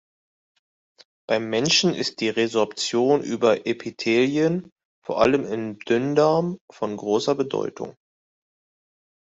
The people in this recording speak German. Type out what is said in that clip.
Beim Menschen ist die Resorption über Epithelien, vor allem im Dünndarm, von großer Bedeutung.